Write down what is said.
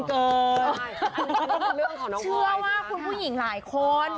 เชื่อว่าคุณผู้หญิงหลายคน